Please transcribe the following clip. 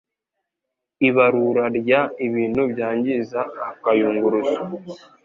ibarura ry ibintu byangiza akayunguruzo